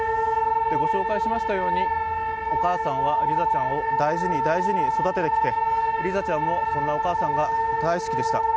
ご紹介しましたようにお母さんはリザちゃんを大事に大事に育ててきてリザちゃんもそんなお母さんが大好きでした。